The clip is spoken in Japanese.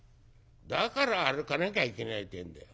だから歩かなきゃいけないってえんだよ。